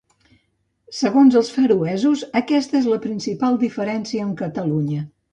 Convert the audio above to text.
Segons els feroesos, aquesta és la principal diferència amb Catalunya.